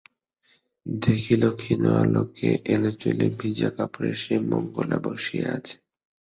দেখিল ক্ষীণ আলোকে, এলোচুলে, ভিজা কাপড়ে সেই মঙ্গলা বসিয়া আছে।